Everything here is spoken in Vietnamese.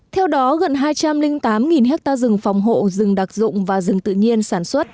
theo đó gần hai trăm linh tám ha rừng phòng hộ rừng đặc dụng và rừng tự nhiên sản xuất